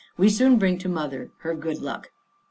" We soon bring to Mother her good luck."